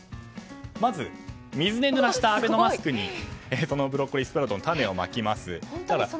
まずは水で濡らしたアベノマスクにブロッコリースプラウトの種をまきます。